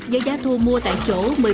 với giá thu mua tại chỗ